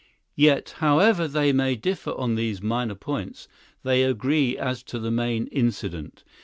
Yet however they may differ on these minor points, they agree as to the main incident.